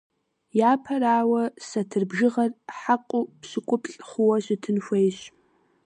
Япэрауэ, сатыр бжыгъэр хьэкъыу пщыкӀуплӀ хъууэ щытын хуейщ.